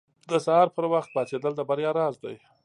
• د سهار پر وخت پاڅېدل د بریا راز دی.